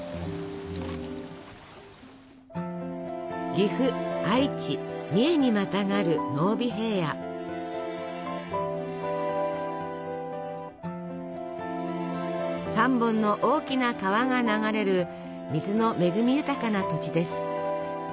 岐阜愛知三重にまたがる３本の大きな川が流れる水の恵み豊かな土地です。